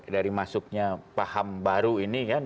dari masuknya paham baru ini kan